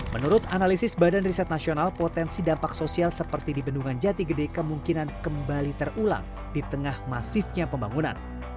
menurut analisis badan riset nasional potensi dampak sosial seperti di bendungan jati gede kemungkinan kembali terulang di tengah masifnya pembangunan